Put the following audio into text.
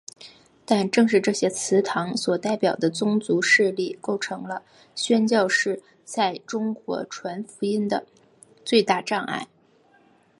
但正是这些祠堂所代表的宗族势力构成了宣教士在中国传福音的最大障碍。